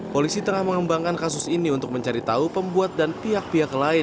polisi tengah mengembangkan kasus ini untuk mencari tahu pembuat dan pihak pihak lain